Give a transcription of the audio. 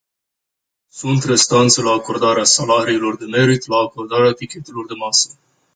Sunt restanțe la acordarea salariilor de merit, la acordarea tichetelor de masă.